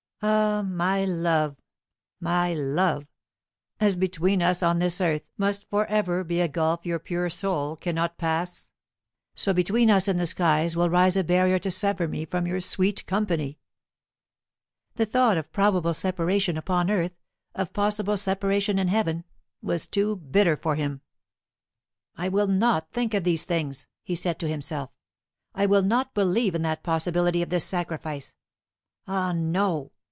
Ah, my love, my love, as between us on this earth must for ever be a gulf your pure soul cannot pass, so between us in the skies will rise a barrier to sever me from your sweet company!" The thought of probable separation upon earth, of possible separation in heaven, was too bitter to him. "I will not think of these things," he said to himself; "I will not believe in that possibility of this sacrifice. Ah, no!